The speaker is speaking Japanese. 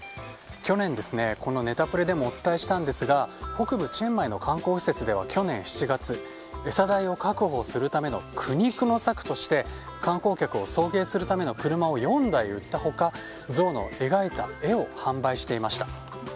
去年、ネタプレでもお伝えしたんですが北部チェンマイの観光施設では去年７月、餌代を確保するための苦肉の策として観光客を送迎するための車を４台売った他ゾウの描いた絵を販売していました。